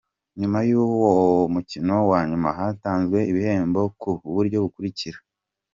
Nyuma y’uwo mukino wa nyuma hatanzwe ibihembo ku buryo bukurikira :.